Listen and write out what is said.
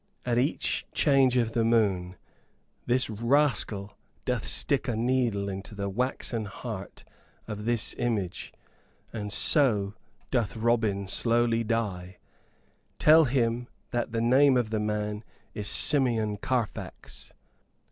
At each change of the moon this rascal doth stick a needle into the waxen heart of this image, and so doth Robin slowly die. Tell him that the name of the man is Simeon Carfax.'"